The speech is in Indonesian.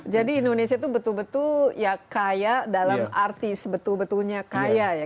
jadi indonesia itu betul betul ya kaya dalam arti sebetul betulnya kaya ya